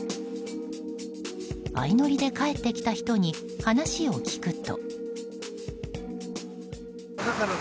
相乗りで帰ってきた人に話を聞くと。